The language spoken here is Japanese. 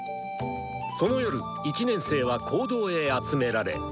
その夜１年生は講堂へ集められ。